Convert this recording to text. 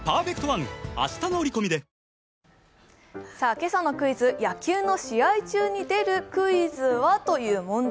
今朝のクイズ、野球の試合中に出るクイズは？という問題。